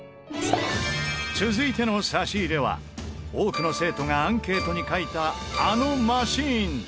続いての差し入れは多くの生徒がアンケートに書いたあのマシン。